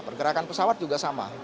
pergerakan pesawat juga sama